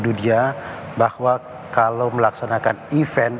dunia bahwa kalau melaksanakan event